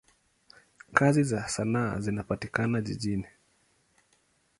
Kazi za sanaa zinapatikana jijini.